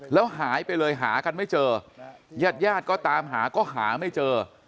แล้วหายไปเลยหากันไม่เจอญาติญาติก็ตามหาก็หาไม่เจอ